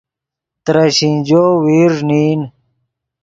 ترے شینجو ویرݱ نین